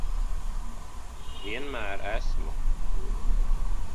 Vienmēr esmu.